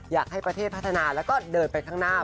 อยากให้ประเทศพัฒนาแล้วก็เดินไปข้างหน้า